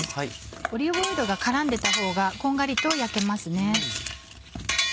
オリーブオイルが絡んでたほうがこんがりと焼けます。